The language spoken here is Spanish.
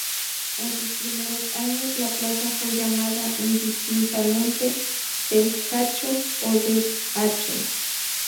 En sus primeros años, la plaza fue llamada indistintamente "del Hacho" o "del Acho".